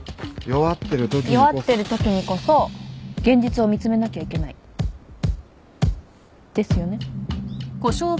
弱ってるときにこそ現実を見つめなきゃいけない。ですよね？